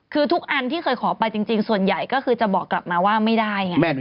คือทุกอันที่เคยขอไปจริงส่วนใหญ่ก็คือจะบอกกลับมาว่าไม่ได้ไง